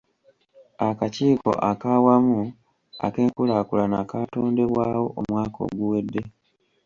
Akakiiko ak'awamu ak'enkulaakulana kaatondebwawo omwaka oguwedde.